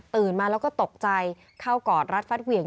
มาแล้วก็ตกใจเข้ากอดรัดฟัดเหวี่ยง